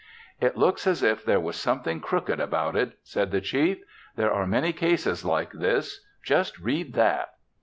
"It looks as if there was something crooked about it," said the Chief. "There are many cases like this. Just read that."